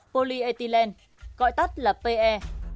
polyethylene gọi tắt là pe